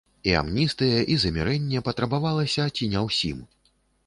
А амністыя і замірэнне патрабавалася ці не ўсім.